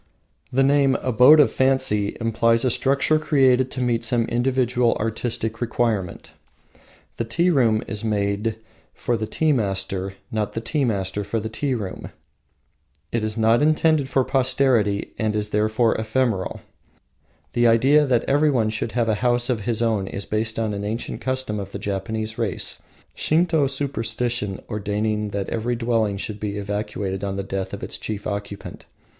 The name, Abode of Fancy, implies a structure created to meet some individual artistic requirement. The tea room is made for the tea master, not the tea master for the tea room. It is not intended for posterity and is therefore ephemeral. The idea that everyone should have a house of his own is based on an ancient custom of the Japanese race, Shinto superstition ordaining that every dwelling should be evacuated on the death of its chief occupant.